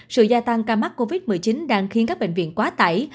sự gia tăng ca mắc covid một mươi chín đang khiến các bệnh viện quá tải